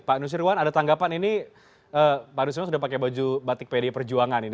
pak nusirwan ada tanggapan ini pak nusirwan sudah pakai baju batik pdi perjuangan ini